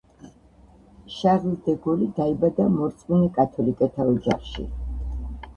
შარლ დე გოლი დაიბადა მორწმუნე კათოლიკეთა ოჯახში.